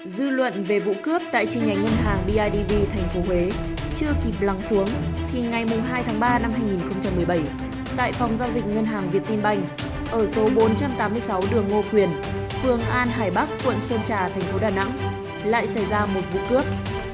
dư luận về vụ cướp tại chi nhánh ngân hàng bidv tp huế chưa kịp lắng xuống thì ngày hai tháng ba năm hai nghìn một mươi bảy tại phòng giao dịch ngân hàng việt tinh banh ở số bốn trăm tám mươi sáu đường ngô quyền phường an hải bắc quận sơn trà thành phố đà nẵng lại xảy ra một vụ cướp